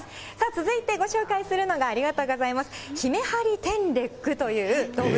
続いてご紹介するのが、ありがとうございます、ヒメハリテンレックという動物。